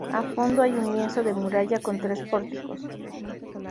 A fondo hay un lienzo de muralla con tres pórticos.